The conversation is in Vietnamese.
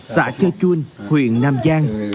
xã chê chuôn huyện nam giang